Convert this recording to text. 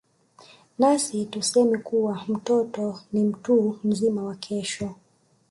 Nasi tuseme kuwa mtoto ni mtu mzima wa Kesho.